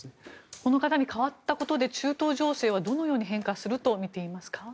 この方に変わったことで中東情勢はどのように変化すると見ていますか。